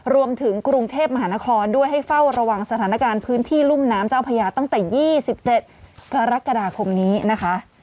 รวมถึงกรุงเทพมหานครด้วยให้เฝ้าระวังสถานการณ์พื้นที่รุ่มน้ำเจ้าพญาตั้งแต่๒๗กรกฎาคมนี้นะคะ